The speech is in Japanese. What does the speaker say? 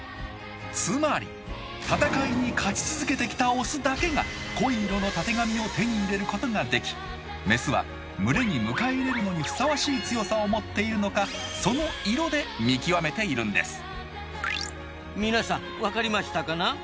つまり戦いに勝ち続けてきたオスだけが濃い色のたてがみを手に入れることができメスは群れに迎え入れるのにふさわしい強さを持っているのか皆さん分かりましたかな？